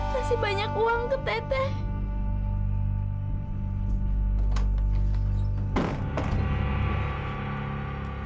kasih banyak uang ke teteh